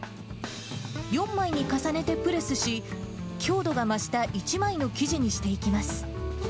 ４枚に重ねてプレスし、強度が増した１枚の生地にしていきます。